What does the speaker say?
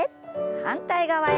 反対側へ。